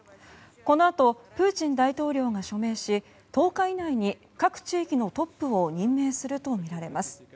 このあとプーチン大統領が署名し１０日以内に各地域のトップを任命するとみられます。